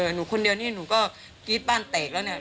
หนูคนเดียวนี่หนูก็กรี๊ดบ้านแตกแล้วเนี่ย